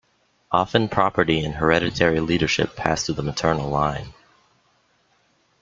Often property and hereditary leadership passed through the maternal line.